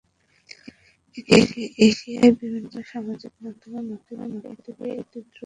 একে একে এশিয়ায় বিভিন্ন সামাজিক যোগাযোগ মাধ্যমের মধ্য দিয়ে এটি দ্রুত ভাইরাল হয়ে উঠে।